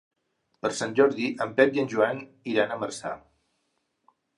Per Sant Jordi en Pep i en Joan iran a Marçà.